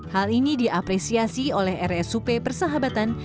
hal ini diapresiasi oleh rsup persahabatan